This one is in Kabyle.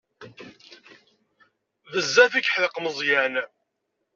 Bezzaf i yeḥdeq Meẓyan.